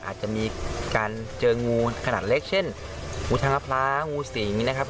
อาจจะมีการเจองูขนาดเล็กเช่นงูทางมะพร้างูสีนะครับ